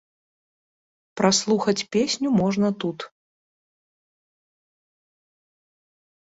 Праслухаць песню можна тут.